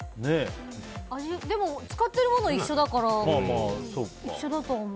でも使ってるもの一緒だから一緒だと思う。